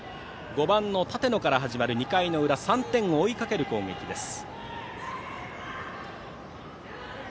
５番、舘野から始まる２回裏３点を追いかける攻撃です。